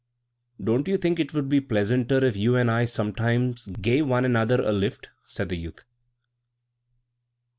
"Don't you think it would be pleasanter if you and I sometimes gave one another a lift?" said the youth.